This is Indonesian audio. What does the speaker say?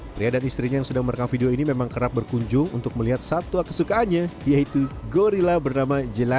pria dan istrinya yang sedang merekam video ini memang kerap berkunjung untuk melihat satwa kesukaannya yaitu gorilla bernama jelaja